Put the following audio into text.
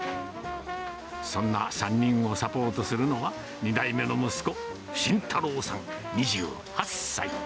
そんな３人をサポートするのは、２代目の息子、慎太郎さん２８歳。